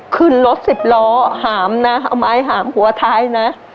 ขึ้นรถสิบล้อหามนะเอาไม้หามหัวท้ายนะ